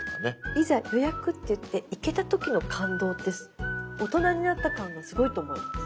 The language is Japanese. いざ予約っていって行けた時の感動って大人になった感がすごいと思います。